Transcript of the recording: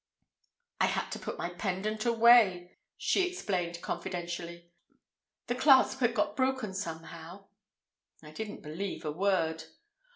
"I had to put my pendant away," she explained confidentially; "the clasp had got broken somehow." I didn't believe a word.